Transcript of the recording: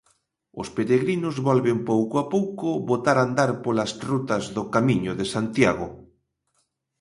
Os peregrinos volven pouco a pouco botar andar polas rutas do Camiño de Santiago.